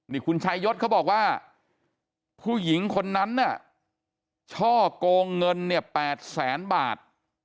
นี่คุณชายยศเขาบอกว่าผู้หญิงคนนั้นน่ะช่อกงเงินเนี่ย๘แสนบาท